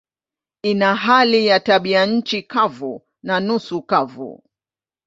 Ina hali ya tabianchi kavu na nusu kavu.